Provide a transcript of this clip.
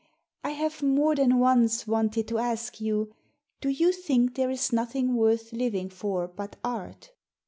" I have more than once wanted to ask you, * Do you think there is nothing worth living for but art?'